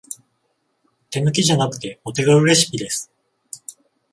手抜きじゃなくてお手軽レシピです